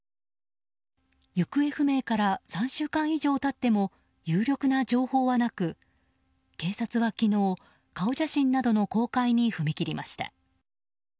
行方不明から３週間以上経っても有力な情報はなく警察は昨日、顔写真などの公開に踏み切りました。